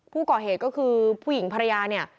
ผู้ก่อเหตุก็คือผู้หญิงภรรยาเนี่ย